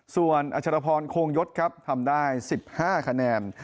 ส่วนอาชารพรโคงยศครับทำได้สิบห้าคะแนน